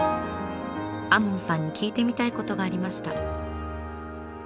亞門さんに聞いてみたいことがありました。